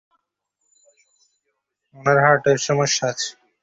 উনার হার্টের সমস্যা আছে।